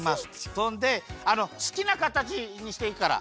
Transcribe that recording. そんですきなかたちにしていいから。